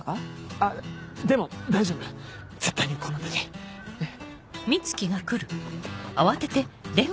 あっでも大丈夫絶対にこの手でねっ。